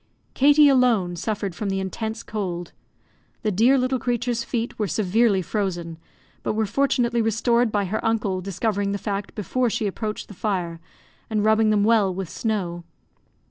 Katie alone suffered from the intense cold. The dear little creature's feet were severely frozen, but were fortunately restored by her uncle discovering the fact before she approached the fire, and rubbing them well with snow.